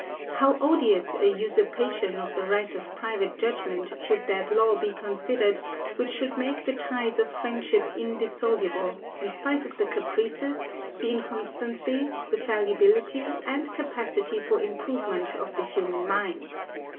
How odious a usurpation of the right of private judgment should that law be considered which should make the ties of friendship indissoluble, in spite of the caprices, the inconstancy, the fallibility and capacity for improvement of the human mind.